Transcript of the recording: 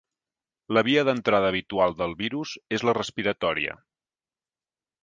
La via d'entrada habitual del virus és la respiratòria.